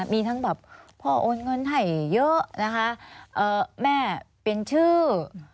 มีทั้งแบบพ่อโอนเงินให้เยอะนะคะแม่เปลี่ยนชื่อ